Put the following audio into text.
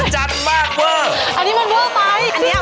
เฮ้ยมันตัวมหัศจรรย์มากเว่ง